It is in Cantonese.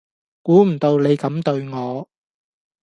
估唔到你咁對我